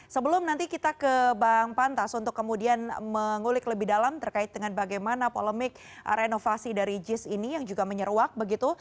sebelum nanti kita ke bang pantas untuk kemudian mengulik lebih dalam terkait dengan bagaimana polemik renovasi dari jis ini yang juga menyeruak begitu